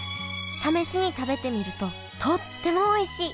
試しに食べてみるととってもおいしい！